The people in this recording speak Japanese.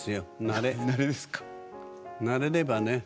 慣れればね